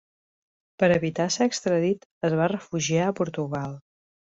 Per evitar ser extradit es va refugiar a Portugal.